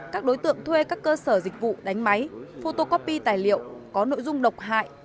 các đối tượng thuê các cơ sở dịch vụ đánh máy photocopy tài liệu có nội dung độc hại